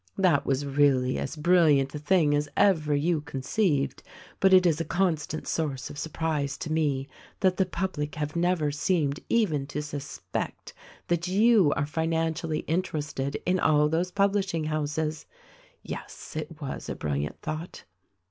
"That was really as brilliant a thing as ever you con ceived ; but it is a constant source of surprise to me that the public have never seemed even to suspect that you are finan cially interested in all those publishing houses. Yes ; it was a brilliant thought.